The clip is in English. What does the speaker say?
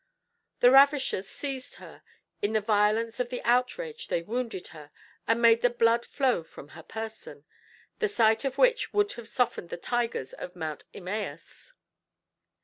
The ravishers seized her; in the violence of the outrage they wounded her, and made the blood flow from her person, the sight of which would have softened the tigers of Mount Imaus.